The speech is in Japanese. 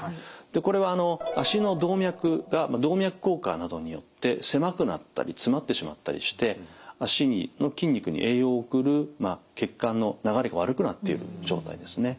これは足の動脈が動脈硬化などによって狭くなったり詰まってしまったりして足の筋肉に栄養を送る血管の流れが悪くなっている状態ですね。